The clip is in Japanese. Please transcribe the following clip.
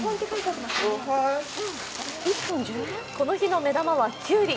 この日の目玉はきゅうり。